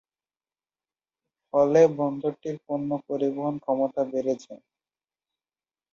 ফলে বন্দরটির পণ্য পরিবহন ক্ষমতা বেড়েছে।